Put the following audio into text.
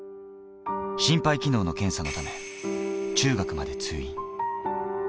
心肺機能の検査のため、中学まで通院。